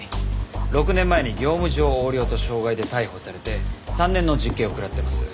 ６年前に業務上横領と傷害で逮捕されて３年の実刑を食らってます。